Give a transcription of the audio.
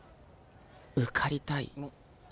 受かりたいよね。